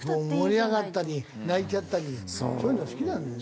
盛り上がったり泣いちゃったりそういうの好きなんだよ。